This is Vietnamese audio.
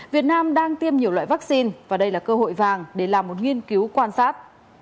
việt nam đang tiêm nhiều loại vaccine và đây là cơ hội vàng để làm một nghiên cứu quan sát